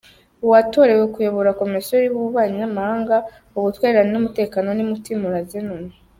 Uwatorewe kuyobora Komisiyo y’Ububanyi n’amahanga, Ubutwererane n’Umutekano ni Mutimura Zenon.